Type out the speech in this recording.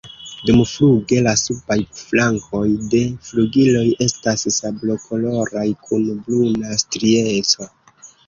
Dumfluge la subaj flankoj de flugiloj estas sablokoloraj kun bruna strieco.